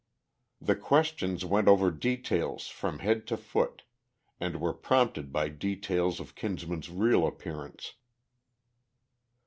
The questions went over details from head to foot, and were prompted by details of Kinsman's real appearance.